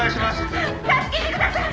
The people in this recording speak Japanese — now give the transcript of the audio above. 助けてください。